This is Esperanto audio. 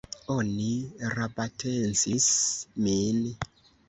Oni rabatencis min!